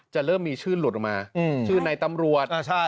เริ่มมีชื่อหลุดออกมาชื่อในตำรวจ